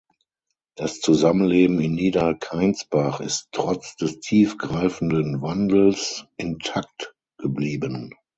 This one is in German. Das Zusammenleben in Nieder-Kainsbach ist trotz des tief greifenden Wandels intakt geblieben.